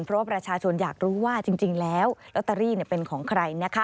เพราะว่าประชาชนอยากรู้ว่าจริงแล้วลอตเตอรี่เป็นของใครนะคะ